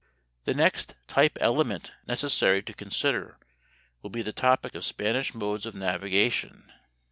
The next "type element" necessary to consider will be the topic of Spanish modes of navigation.